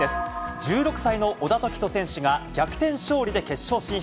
１６歳の小田凱人選手が逆転勝利で決勝進出。